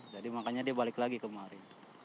jadi makanya dia balik lagi kemari